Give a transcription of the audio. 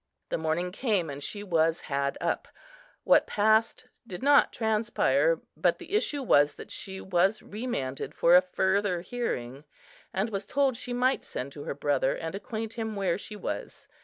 The morning came, and she was had up. What passed did not transpire; but the issue was that she was remanded for a further hearing, and was told she might send to her brother, and acquaint him where she was.